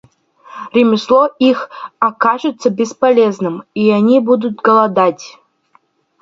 Ремесло их окажется бесполезным, и они будут голодать.